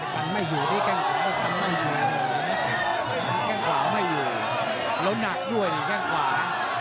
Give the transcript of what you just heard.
ตั๋งไม่อยู่ตั๋งไม่อยู่แข้งขวาไม่อยู่แล้วหนักด้วยเนี่ยแข้งขวา